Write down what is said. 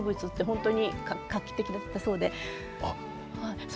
本当に画期的だったそうで。